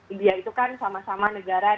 india itu kan sama sama negara